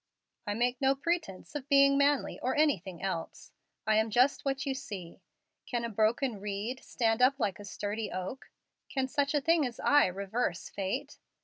"I make no pretence of being manly or anything else. I am just what you see. Can a broken reed stand up like a sturdy oak? Can such a thing as I reverse fate?